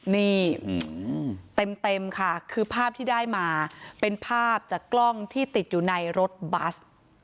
นี่เต็มค่ะคือภาพที่ได้มาเป็นภาพจากกล้องที่ติดอยู่ในรถบัส